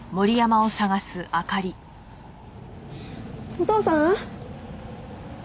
お父さん？